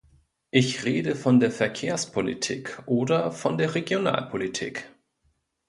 Ich rede von der Verkehrspolitik oder von der Regionalpolitik.